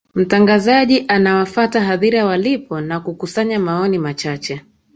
mtangazaji anawafata hadhira walipo na kuksanya maoni machache